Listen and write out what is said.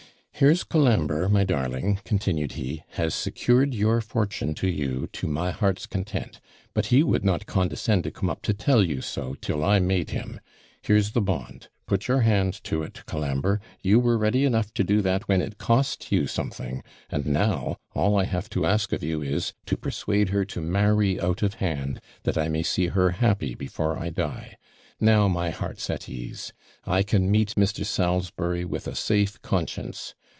Here's Colambre, my darling,' continued he, 'has secured your fortune to you to my heart's content; but he would not condescend to come up to tell you so, till I made him. Here's the bond; put your hand to it, Colambre; you were ready enough to do that when it cost you something; and now, all I have to ask of you is, to persuade her to marry out of hand, that I may see her happy before I die. Now my heart's at ease! I can meet Mr. Salisbury with a safe conscience.